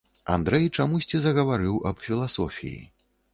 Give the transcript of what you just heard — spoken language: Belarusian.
Андрэй чамусьці загаварыў аб філасофіі.